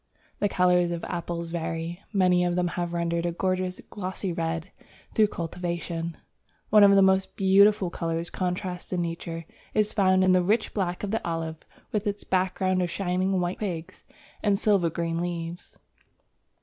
The colours of apples vary: many of them have been rendered a gorgeous, glossy red through cultivation. One of the most beautiful colour contrasts in Nature is found in the rich black of the Olive, with its background of shining white twigs and silver green leaves.